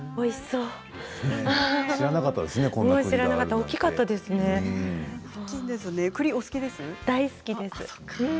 大好きです。